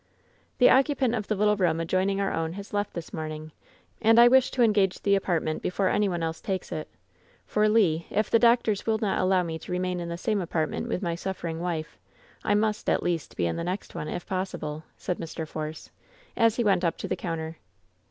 "The occupant of the little room adjoining our own has left this morning, and I wish to engage the apart ment before any one else takes it; for, Le, if the doctors will not allow me to remain in the same apartment with my suffering wife, I must, at least, be in the next one, if possible," said Mr. Force, as he went up to the counter.